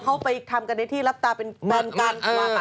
เขาไปทำกันในที่รับตาเป็นแฟนกัน